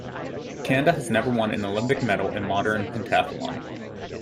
Canada has never won an Olympic medal in modern pentathlon.